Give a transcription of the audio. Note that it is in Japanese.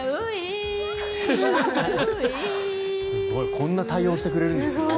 こんな対応してくれるんですね。